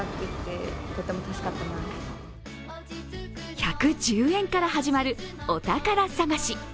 １１０円から始まるお宝探し。